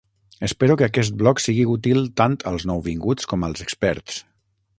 Espero que aquest blog sigui útil tant als nouvinguts com als experts.